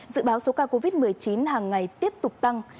dự báo số ca covid một mươi chín hàng ngày tiếp tục tăng